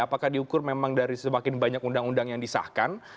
apakah diukur memang dari semakin banyak undang undang yang disahkan